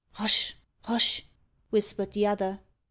"Hush hush!" whispered the other.